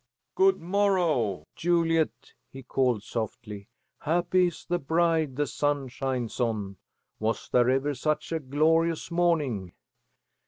"Good morrow, Juliet," he called, softly. "Happy is the bride the sun shines on. Was there ever such a glorious morning?"